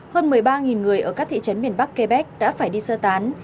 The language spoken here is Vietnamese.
hơn một mươi ba người ở các thị trấn miền bắc quebec đã phải đi sơ tán